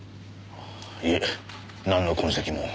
いえなんの痕跡も。